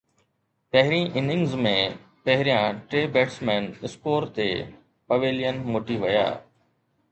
پهرين اننگز ۾ پهريان ٽي بيٽسمين اسڪور تي پويلين موٽي ويا.